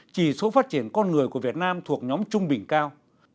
chỉ số phát triển con người của việt nam thuộc nhóm trung bình cao